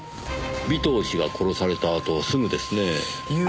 尾藤氏が殺されたあとすぐですねぇ。